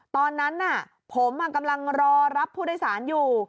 ตอนนั้นผมกำลังรอรับผู้โดยสารอยู่